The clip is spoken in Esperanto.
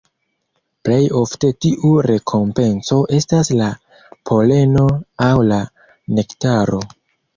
Plej ofte tiu rekompenco estas la poleno aŭ la nektaro.